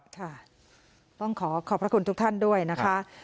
ค่ะต้องขอขอบพระคุณทุกท่านด้วยนะคะ